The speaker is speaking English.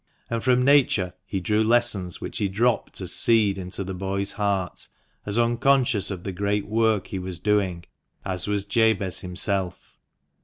And from Nature he drew lessons which he dropped as seed into the boy's heart, as unconscious of the great work he was doing as was Jabez himself.